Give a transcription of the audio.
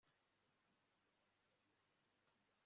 ahari ibyo byari amakosa